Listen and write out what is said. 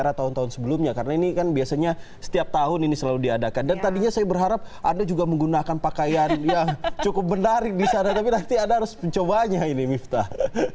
ada tahun tahun sebelumnya karena ini kan biasanya setiap tahun ini selalu diadakan dan tadinya saya berharap anda juga menggunakan pakaian yang cukup menarik di sana tapi nanti anda harus mencobanya ini miftah